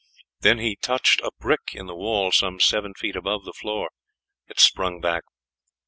Then he touched a brick in the wall some seven feet above the floor; it sprung back.